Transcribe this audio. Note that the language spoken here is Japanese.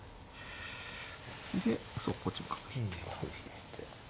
でそうかこっちも角引いて。